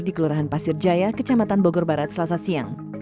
di kelurahan pasir jaya kecamatan bogor barat selasa siang